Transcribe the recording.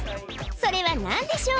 それは何でしょう？